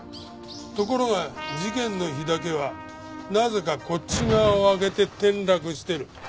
ところが事件の日だけはなぜかこっち側を開けて転落してる。